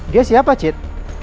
dia siapa cit